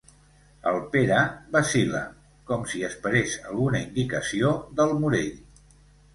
El Pere vacil.la, com si esperés alguna indicació del Morell.